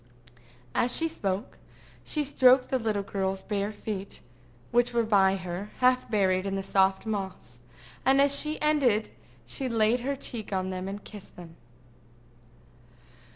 As she spoke, she stroked the little girl's bare feet, which were by her, half buried in the soft moss, and as she ended she laid her cheek on them and kissed them.